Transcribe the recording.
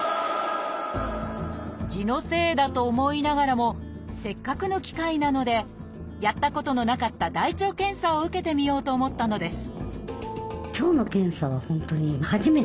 痔のせいだと思いながらもせっかくの機会なのでやったことのなかった大腸検査を受けてみようと思ったのです